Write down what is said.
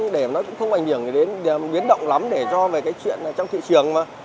để nó cũng không ảnh hưởng đến biến động lắm để do về cái chuyện trong thị trường mà